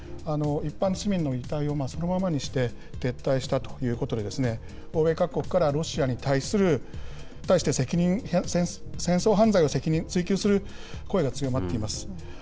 一般の市民の遺体をそのままにして、撤退したということで、欧米各国からロシアに対して戦争犯罪の責任を追及する声が強まっています。